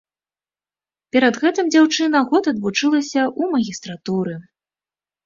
Перад гэтым дзяўчына год адвучылася ў магістратуры.